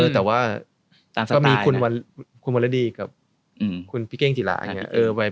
แตกว่ามีคุณวัฬดี้กับคุณพี่เก้งขนาดหนังเนี่ย